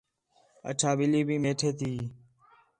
اچھا ٻلّھی بھی میٹھے تی ہے